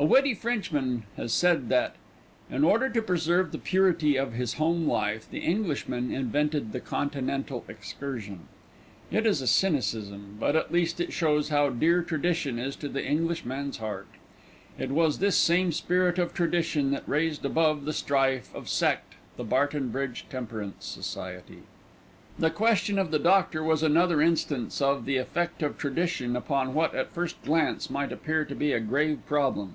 A witty Frenchman has said that, "In order to preserve the purity of his home life, the Englishman invented the Continental excursion." It is a cynicism; but at least it shows how dear tradition is to the Englishman's heart. It was this same spirit of tradition that raised above the strife of sect the Barton Bridge Temperance Society. The question of the doctor was another instance of the effect of tradition upon what, at first glance, might appear to be a grave problem.